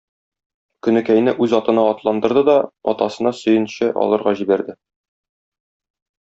Көнекәйне үз атына атландырды да, атасына сөенче алырга җибәрде.